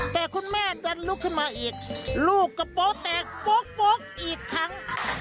แต่คุณแม่ดันลุกขึ้นมาอีกลูกกระโป๊แตกโป๊กอีกครั้ง